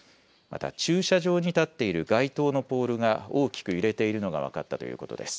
また駐車場に立っている街灯のポールが大きく揺れているのが分かったということです。